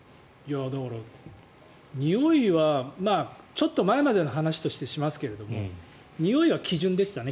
だから、においはちょっと前までの話としてしますけれどにおいが基準でしたね。